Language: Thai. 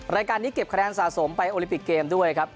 รายการนี้เก็บคะแนนสะสมไปโอลิปิกเกมด้วยครับ